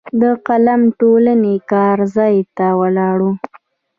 د قلم ټولنې کار ځای ته ولاړو.